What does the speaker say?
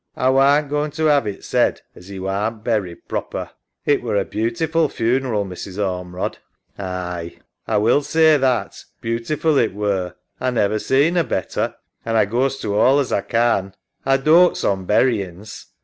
A warn't goin' to 'ave it said as 'e warn't buried proper. EMMA. It were a beautiful funeral, Mrs. Ormerod. SABAH. Aye. EMMA. A will say that, beautiful it were. A never seen a better, an' A goes to all as A can. (Rises) A dotes on buryin's.